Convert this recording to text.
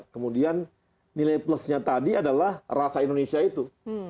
kemudian nilai plusnya tadi adalah rasa indonesia itu